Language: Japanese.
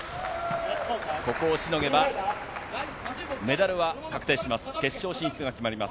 ここをしのげば、メダルは確定します。